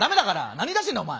何言いだしてんだお前！